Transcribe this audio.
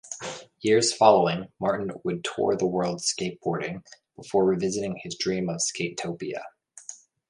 Years following, Martin would tour the world skateboarding before revisiting his dream of Skatopia.